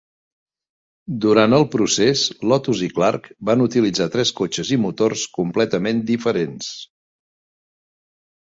Durant el procés, Lotus i Clark van utilitzar tres cotxes i motors completament diferents.